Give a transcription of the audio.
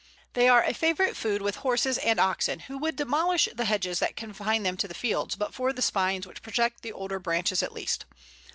They are a favourite food with horses and oxen, who would demolish the hedges that confine them to the fields but for the spines which protect the older branches at least.